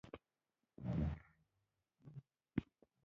رافعې په درې ډولونو ویشل شوي دي.